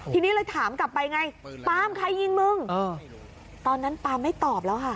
ทีนี้เลยถามกลับไปไงปามใครยิงมึงตอนนั้นปามไม่ตอบแล้วค่ะ